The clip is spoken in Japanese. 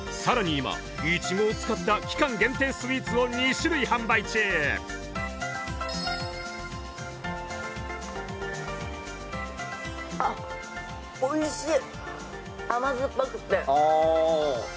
今イチゴを使った期間限定スイーツを２種類販売中あっおいしい！